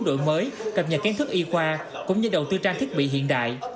các bệnh viện mới cập nhật kiến thức y khoa cũng như đầu tư trang thiết bị hiện đại